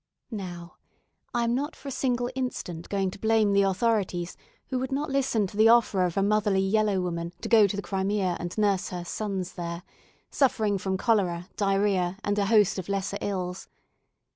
Now, I am not for a single instant going to blame the authorities who would not listen to the offer of a motherly yellow woman to go to the Crimea and nurse her "sons" there, suffering from cholera, diarrhoea, and a host of lesser ills.